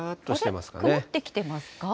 曇ってきてますか？